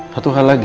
satu hal lagi